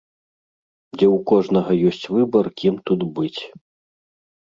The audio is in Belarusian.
Дзе ў кожнага ёсць выбар кім тут быць.